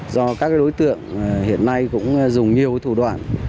do các đối tượng hiện nay cũng dùng nhiều thủ đoạn